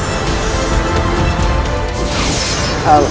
amin ya rukh alamin